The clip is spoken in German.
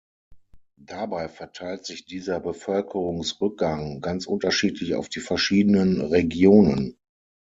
Dabei verteilt sich dieser Bevölkerungsrückgang ganz unterschiedlich auf die verschiedenen Regionen.